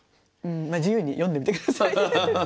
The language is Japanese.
まあ自由に読んでみて下さい。